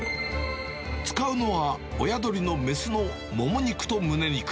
使うのは親鶏の雌のもも肉とむね肉。